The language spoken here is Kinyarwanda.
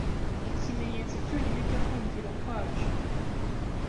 Ikimenyetso cyonyine cyo kumvira kwacu